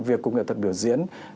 việc của nghệ thuật biểu diễn